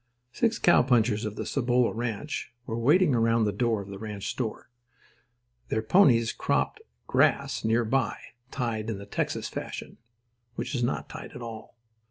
Six cowpunchers of the Cibolo Ranch were waiting around the door of the ranch store. Their ponies cropped grass near by, tied in the Texas fashion—which is not tied at all.